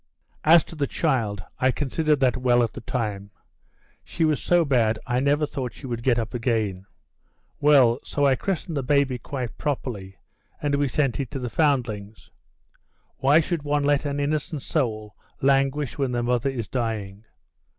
"As to the child, I considered that well at the time. She was so bad I never thought she would get up again. Well, so I christened the baby quite properly, and we sent it to the Foundlings'. Why should one let an innocent soul languish when the mother is dying?